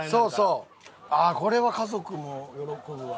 ああーこれは家族も喜ぶわ。